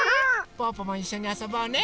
ぽぅぽもいっしょにあそぼうね！